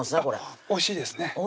これおいしいですね